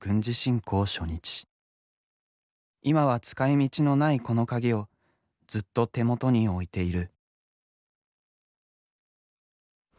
今は使いみちのないこの鍵をずっと手元に置いている。